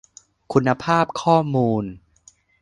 คุณภาพข้อมูล